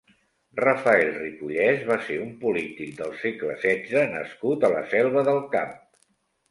Rafael Ripollès va ser un polític del segle setze nascut a la Selva del Camp.